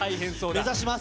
目指します。